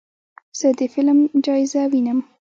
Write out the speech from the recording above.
زه د فلم جایزه وینم.